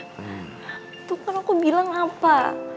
itu kan aku bilang apa